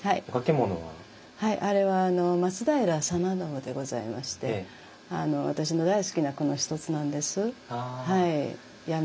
あれは松平定信でございまして私の大好きな句の一つなんです。